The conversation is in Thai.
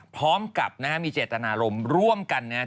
พร้อมกับมีเจตนารมณ์ร่วมกันนะฮะ